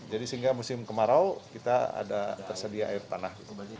jadi sehingga musim kemarau kita ada tersedia air tanah